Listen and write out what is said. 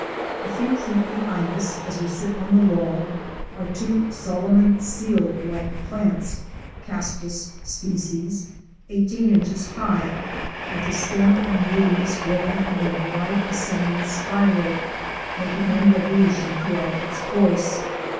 A few feet behind us, as we sit on the log, are two Solomon seal like plants (Castus sp.) eighteen inches high, with the stem and leaves growing in a wide ascending spiral—making one revolution throughout its course.